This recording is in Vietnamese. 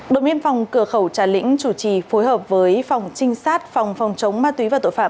đội miên phòng cửa khẩu trà lĩnh chủ trì phối hợp với phòng trinh sát phòng phòng chống ma túy và tội phạm